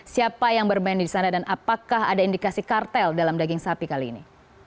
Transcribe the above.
siapa yang bermain di sana dan apakah ada indikasi kartel dalam daging sapi kali ini